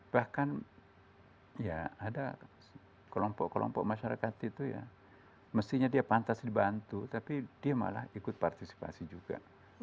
bahkan ya ada kelompok kelompok masyarakat itu ya mestinya dia pantas dibantu tapi dia malah ikut partisipasi juga